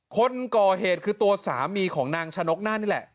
คนก่อเหตุคือตัวสามีของนางชะนกหน้านี่แหละ